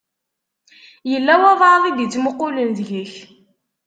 Yella walebɛaḍ i d-ittmuqqulen deg-k.